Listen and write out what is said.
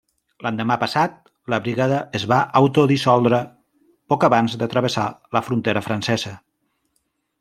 L'endemà passat la brigada es va autodissoldre, poc abans de travessar la frontera francesa.